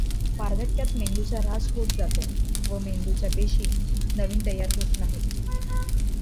वार्धक्यात मेंदूचा ऱ्हास होत जातो व मेंदूच्या पेशी नवीन तयार होत नाहीत.